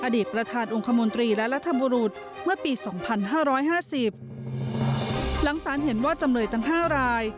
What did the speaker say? ประธานองค์คมนตรีและรัฐบุรุษเมื่อปีสองพันห้าร้อยห้าสิบหลังสารเห็นว่าจำเลยทั้ง๕ราย